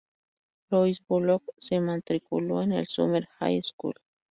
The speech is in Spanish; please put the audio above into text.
Louis, Bullock se matriculó en el Sumner High School.